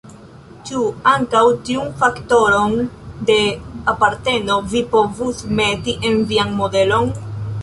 Ĉu ankaŭ tiun faktoron de aparteno vi povus meti en vian modelon?